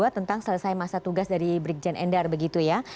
tentang selesai masa tugas dari brigjen endar begitu ya